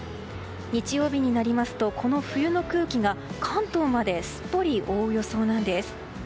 日曜日になりますとこの冬の空気が関東まですっぽり覆う予想なんです。